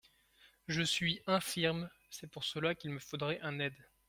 Je suis infirme ; c'est pour cela qu'il me faudrait un aide.